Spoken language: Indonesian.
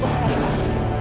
wah pokoknya heboh sekali mbak